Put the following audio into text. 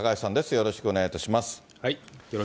よろしくお願いします。